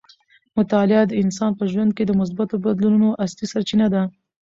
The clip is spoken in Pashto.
مطالعه د انسان په ژوند کې د مثبتو بدلونونو اصلي سرچینه ده.